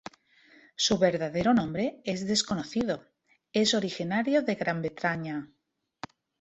Su verdadero nombre es desconocido, es originario de Gran Bretaña.